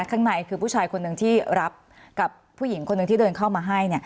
ข้างในคือผู้ชายคนหนึ่งที่รับกับผู้หญิงคนหนึ่งที่เดินเข้ามาให้